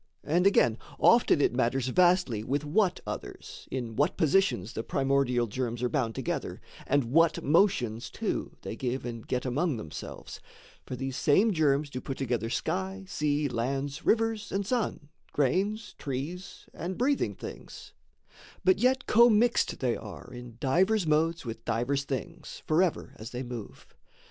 And, again, Often it matters vastly with what others, In what positions the primordial germs Are bound together, and what motions, too, They give and get among themselves; for these Same germs do put together sky, sea, lands, Rivers, and sun, grains, trees, and breathing things, But yet commixed they are in divers modes With divers things, forever as they move.